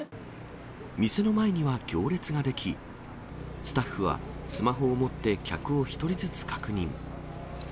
店の前には行列が出来、スタッフはスマホを持って、客を１人ずつ確認。